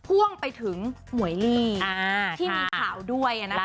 พ่วงไปถึงหมวยลี่ที่มีข่าวด้วยนะคะ